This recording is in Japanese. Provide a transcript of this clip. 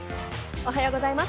おはようございます。